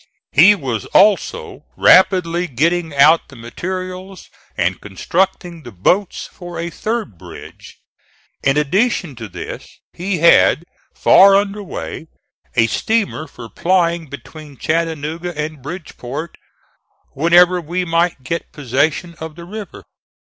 He was also rapidly getting out the materials and constructing the boats for a third bridge. In addition to this he had far under way a steamer for plying between Chattanooga and Bridgeport whenever we might get possession of the river.